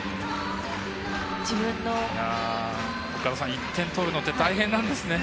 岡田さん、１点取るのって大変なんですね。